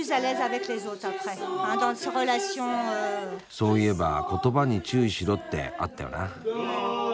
そういえば言葉に注意しろってあったよな。